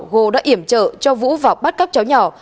gô đã iểm trợ cho vũ vào bắt cóc cháu nhỏ